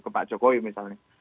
ke pak jokowi misalnya